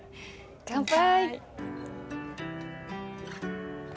乾杯！